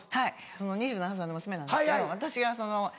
その２７歳の娘なんですけど私がその。